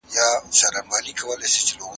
هغه خلګ چي تاريخ نه مني له ځان سره دښمني کوي.